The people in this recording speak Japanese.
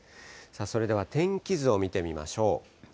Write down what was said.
それでは天気図を見てみましょう。